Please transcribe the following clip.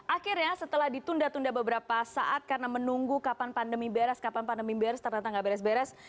akhirnya setelah ditunda tunda beberapa saat karena menunggu kapan pandemi beres kapan pandemi beres ternyata nggak beres beres